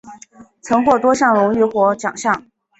曾获多样荣誉和奖项。